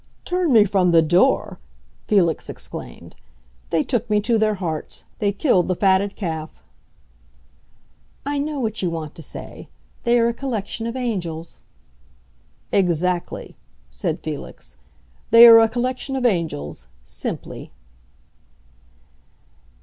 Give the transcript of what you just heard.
"Turn me from the door!" Felix exclaimed. "They took me to their hearts; they killed the fatted calf." "I know what you want to say: they are a collection of angels." "Exactly," said Felix. "They are a collection of angels—simply."